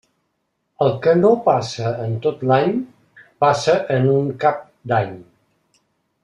El que no passa en tot l'any, passa en un cap d'any.